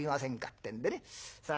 てんでねさあ